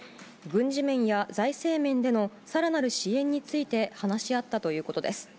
軍事面や財政面でのさらなる支援について話し合ったということです。